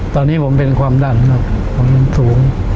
ตอนนี้ผมเป็นความดัดครับผมสูง